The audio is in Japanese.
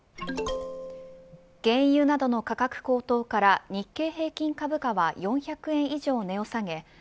原油などの価格高騰から日経平均株価は４００円以上値を下げ